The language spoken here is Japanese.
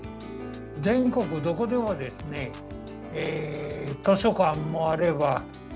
全国どこでもですね図書館もあれば公民館もある。